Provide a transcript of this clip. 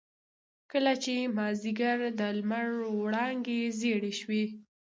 کله چې مازيګر د لمر وړانګې زيړې شوې.